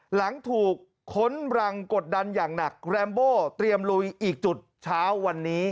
หลังถูกค้นรังกดดันอย่างหนักแรมโบเตรียมลุยอีกจุดเช้าวันนี้